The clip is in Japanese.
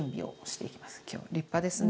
今日立派ですね。